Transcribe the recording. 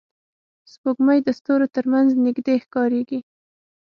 سپوږمۍ د ستورو تر منځ نږدې ښکاري